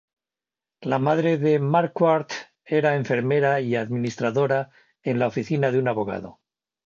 La madre de Marquardt era enfermera y administradora en la oficina de un abogado.